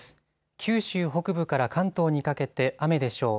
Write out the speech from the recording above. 九州北部から関東にかけて雨でしょう。